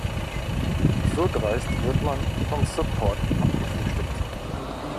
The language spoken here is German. So dreist wird man vom Support abgefrühstückt.